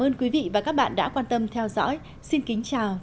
ơn quý vị và các bạn đã quan tâm theo dõi xin kính chào và hẹn gặp lại